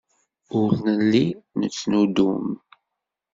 Ur nelli nettnuddum.